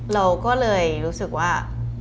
เราก็เลยรู้สึกว่า